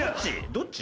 どっち？